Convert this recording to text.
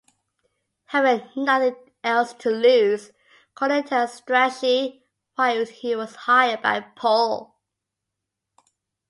Having nothing else to lose, Cornell tells Strachey why he was hired by Paul.